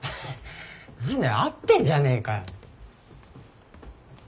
何だよ会ってんじゃねえかよ。